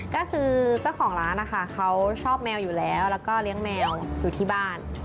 ก็คือเจ้าของร้านนะคะเขาชอบแมวอยู่แล้วแล้วก็เลี้ยงแมวอยู่ที่บ้าน